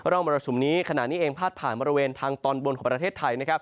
ร่องมรสุมนี้ขนาดนี้เองพาดผ่านบริเวณทางตอนบนของประเทศไทย